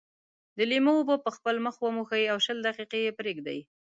د لیمو اوبه په خپل مخ وموښئ او شل دقيقې یې پرېږدئ.